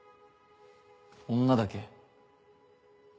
女だけ？